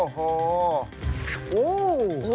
ปั๊บมือ